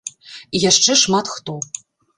І яшчэ шмат хто.